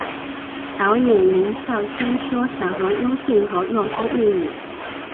导演林孝谦说想和周迅合作拍电影。